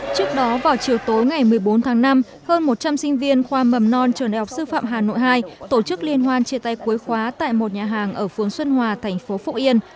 trước đó vào chiều tối ngày một mươi bốn tháng năm hơn một trăm linh sinh viên khoa mầm non trường đại học sư phạm hà nội hai tổ chức liên hoan chia tay cuối khóa tại một nhà hàng ở phương xuân hòa thành phố phúc yên